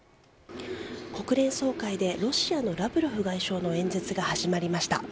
国連総会でロシアのラブロフ外相の演説が始まりました。